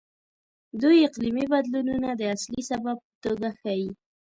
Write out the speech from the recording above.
دوی اقلیمي بدلونونه د اصلي سبب په توګه ښيي.